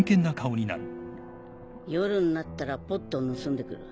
夜になったらポッドを盗んでくる。